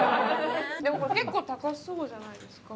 でもこれ結構高そうじゃないですか？